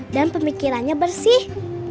dan pemikirannya bersih